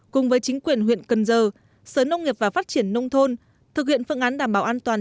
cùng với chính quyền huyện cần giờ sở nông nghiệp và phát triển nông thôn thực hiện phương án đảm bảo an toàn